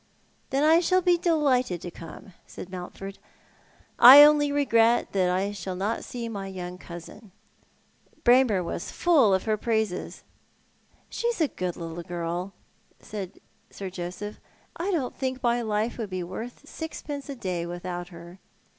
" Then I shall be delighted to come," said Mountford. " I only regret that I shall not see my young cousin. Braemar was full of her praises." " She is a good little girl," said Sir Joseph. " I don't think my life would be worth sixpence a day without her."